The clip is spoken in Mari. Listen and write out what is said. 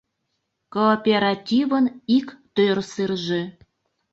КООПЕРАТИВЫН ИК ТӦРСЫРЖӦ